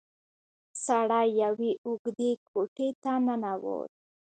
سړی يوې اوږدې کوټې ته ننوت.